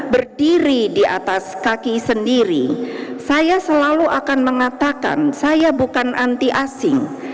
berdiri di atas kaki sendiri saya selalu akan mengatakan saya bukan anti asing